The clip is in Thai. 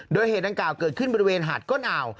โดยเหตุดังกล่าวเกิดขึ้นบริเวณหาดก้นอ่าว